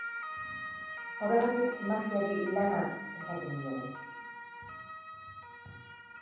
Horregatik, magiari lana esaten diogu.